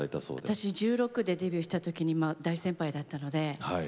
私１６でデビューした時にまあ大先輩だったので。